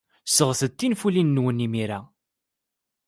Sɣet-d tinfulin-nwen imir-a.